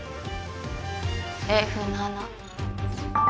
Ｆ７。